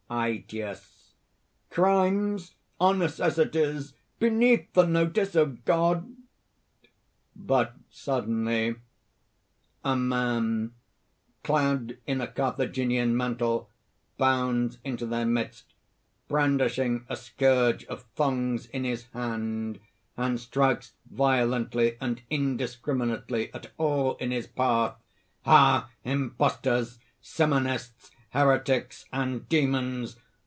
ÆTIUS. "Crimes are necessities beneath the notice of God!" (But suddenly ) A MAN ( _clad in a Carthaginian mantle, bounds into their midst, brandishing a scourge of thongs in his hand; and strikes violently and indiscriminately at all in his path_:) "Ah! imposters! simonists, heretics and demons!